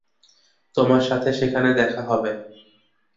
তোমার সাথে সেখানে দেখা হবে।